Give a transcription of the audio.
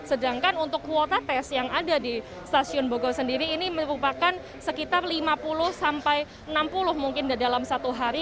sedangkan untuk kuota tes yang ada di stasiun bogor sendiri ini merupakan sekitar lima puluh sampai enam puluh mungkin dalam satu hari